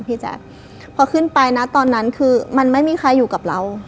พี่แจ๊คพอขึ้นไปนะตอนนั้นคือมันไม่มีใครอยู่กับเรา